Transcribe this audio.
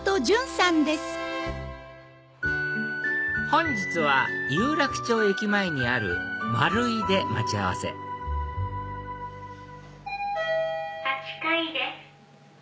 本日は有楽町駅前にあるマルイで待ち合わせ８階です。